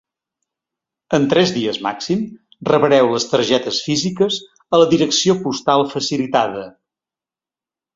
En tres dies màxim rebreu les targetes físiques a la direcció postal facilitada.